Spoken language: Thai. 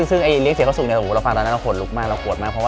ซึ่งเลี้ยงเสียเข้าสุขเราฟังตอนนั้นเราโกรธมาก